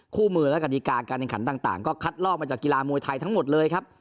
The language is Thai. คู่มือและกฎิกาการแข่งขันต่างก็คัดลอกมาจากกีฬามวยไทยทั้งหมดเลยครับ